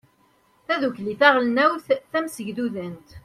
tadukli taɣelnawt tamsegdudant